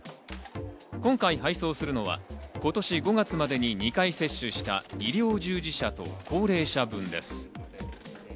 今回配送するのは今年５月までに２回接種した医療従事者と高齢者分です。